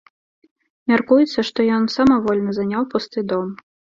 Мяркуецца, што ён самавольна заняў пусты дом.